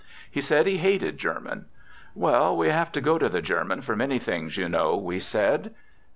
He said he hated German. "Well, we have to go to the German for many things, you know," we said.